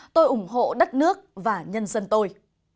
tôi ủng hộ đất nước và nhân dân tôi